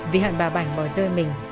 vì hận bà bảnh bỏ rơi mình